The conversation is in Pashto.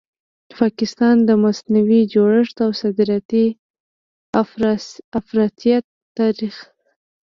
پاکستان؛ د مصنوعي جوړښت او صادراتي افراطیت تاریخ